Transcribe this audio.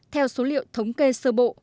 theo số liệu thống kê sơ bộ